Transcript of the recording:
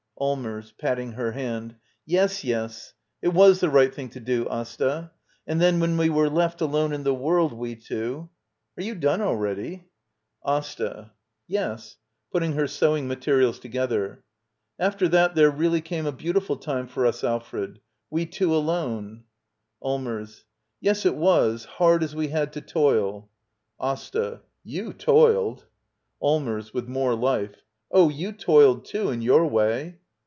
Allmers. [Patting her hand.] Yes, yes; it was the right thing to do, Asta. — And then when we were left alone in the world, we two — Are you done already? Asta. Yes. [Putting her sewing materials to gether.] After that there reall y c ame a beautifu l time for us,_AITreT ^ we7tvsrp alon^i^ Allmers. Yes, it was — hard as we had to toil. Asta. You toiled. Allmers. [With more life.] Oh, you toiled too, in your way.